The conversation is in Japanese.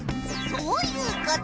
そういうこと。